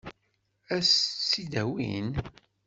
Ad s-tt-id-awin?